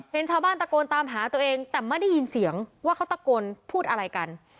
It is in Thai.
เห็นชาวบ้านตะโกนตามหาตัวเองแต่ไม่ได้ยินเสียงว่าเขาตะโกนพูดอะไรกัน